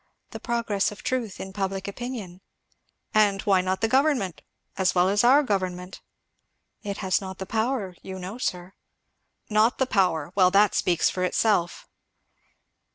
"The progress of truth in public opinion." "And why not the government as well as our government?" "It has not the power, you know, sir." "Not the power! well, that speaks for itself."